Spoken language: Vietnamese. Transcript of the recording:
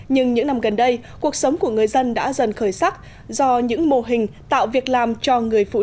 nhưng những năm gần đây cuộc sống của người dân đã dần khởi sắc do những mô hình tạo việc làm cho người phụ nữ